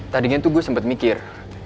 tadinya tuh gue sempet mikir